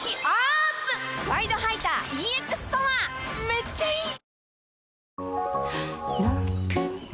めっちゃいい！